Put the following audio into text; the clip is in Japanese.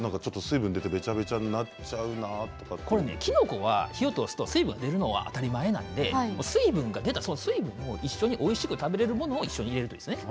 きのこは火を通すと水分が出るのは当たり前なので出た水分も一緒に食べられるものを一緒に入れるといいですね。